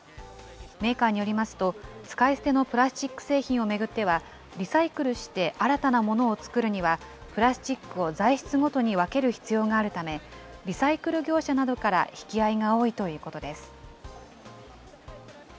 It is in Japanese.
メーカーによりますと、使い捨てのプラスチック製品を巡っては、リサイクルして新たなものを作るには、プラスチックを材質ごとに分ける必要があるため、リサイクル業者などから引き合いが多いということです。